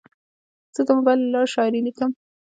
زه د موبایل له لارې شاعري لیکم.